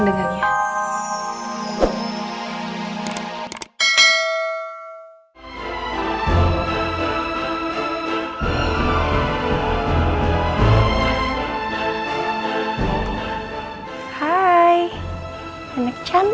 kurangnya aku apa